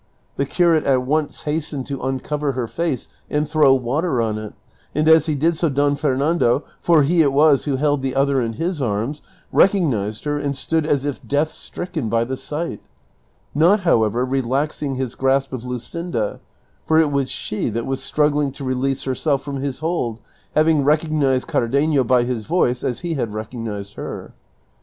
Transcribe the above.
The curate at once hastened to uncover her face and throw water on it, and as he did so Don Fernando, for he it was who held the other in his arms, recognized her and stood as if death stricken by the sight ; not, however, relaxing his grasp of Luscinda, for it was she that was struggling to release herself from his hold, having recog nized Cardenio by his voice, as he had recognized her.